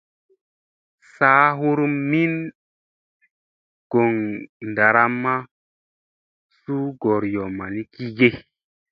Saa hurum min goŋ ɗaramma su gooryomma ni gige ?